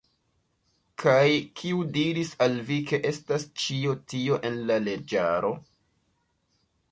Kaj kiu diris al vi, ke estas ĉio tio en la leĝaro?